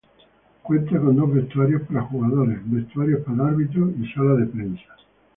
Cuenta con dos vestuarios para jugadores, vestuarios para árbitros y sala de prensa.